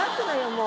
もう。